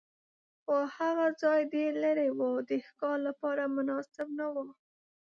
خو هغه ځای ډېر لرې و، د ښکار لپاره مناسب نه و.